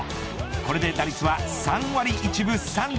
これで打率は３割１分３厘。